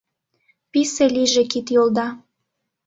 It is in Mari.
Писе лийже кид-йолда: